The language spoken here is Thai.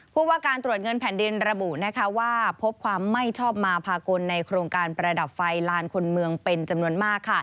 ผู้ว่าการตรวจเงินแผ่นดินระบุว่าพบความไม่ชอบมาพากลในโครงการประดับไฟลานคนเมืองเป็นจำนวนมาก